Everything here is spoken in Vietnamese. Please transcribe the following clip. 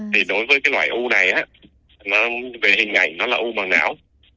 thì đối với cái loại u này á về hình ảnh nó là u bằng não